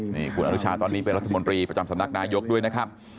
นี่คุณอนุชาตอนนี้เป็นรัฐมนตรีประจำสำนักนายกด้วยนะครับ